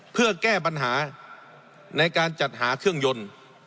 เพื่อแก้ปัญหาในการจัดหาเครื่องยนต์